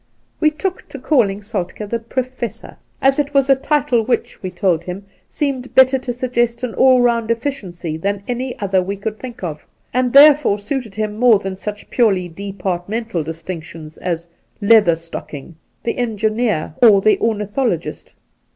We took to calling Soltk^ the Professor, as it was a title which, we told him, seemed better to suggest an aU round. efficiency than any other we could think of, and therefore suited him more than such purely departmental distinctions as Leather stocking, the Engineer, or the Ornithologist.